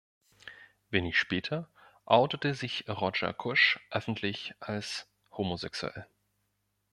Wenig später outete sich Roger Kusch öffentlich als homosexuell.